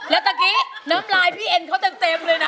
แล้วตะกี้น้ำลายพี่เอ็นเขาเต็มเลยนะ